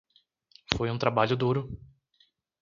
Foi um trabalho duro.